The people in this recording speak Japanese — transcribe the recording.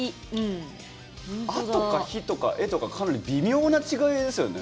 「あ」とか「ひ」とかかなり微妙な違いですよね。